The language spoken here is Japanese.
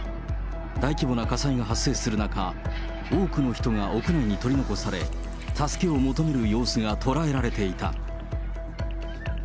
大規模な火災が発生する中、多くの人が屋内に取り残され、助けを求める様子が捉えられていた。